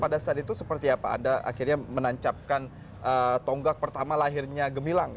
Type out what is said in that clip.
pada saat itu seperti apa anda akhirnya menancapkan tonggak pertama lahirnya gemilang